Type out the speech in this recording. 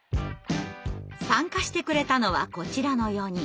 参加してくれたのはこちらの４人。